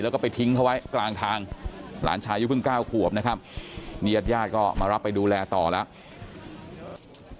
แล้วก็ไปทิ้งเขาไว้กลางทางหลานชายุเพิ่งเก้าขวบนะครับนี่ญาติญาติก็มารับไปดูแลต่อแล้ว